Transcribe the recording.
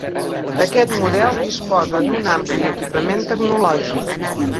Aquest model disposa d'un ampli equipament tecnològic.